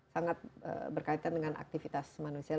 sangat berkaitan dengan aktivitas manusia